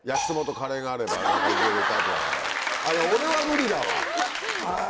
あれ俺は無理だわ。